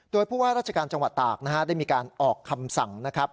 โดยผู้ว่าราชการจังหวัดตากนะฮะได้มีการออกคำสั่งนะครับ